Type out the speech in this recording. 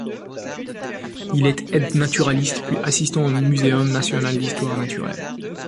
Il est aide-naturaliste puis assistant au Muséum national d'histoire naturelle.